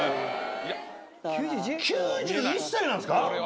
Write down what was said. ９１歳なんですか！？